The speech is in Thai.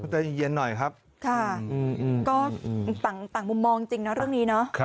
ใจเย็นหน่อยครับค่ะก็ต่างมุมมองจริงนะเรื่องนี้เนาะ